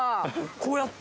こうやって。